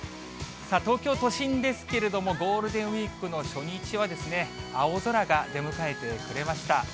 東京都心ですけれども、ゴールデンウィークの初日はですね、青空が出迎えてくれました。